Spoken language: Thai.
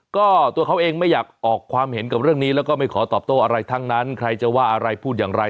ก็ตัวเขาเองไม่อยากออกความเห็นกับเรื่องนี้แล้วก็ไม่ขอตอบโต้อะไรทั้งนั้นใครจะว่าอะไรพูดอย่างไร